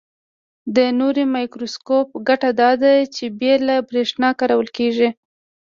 د نوري مایکروسکوپ ګټه داده چې بې له برېښنا کارول کیږي.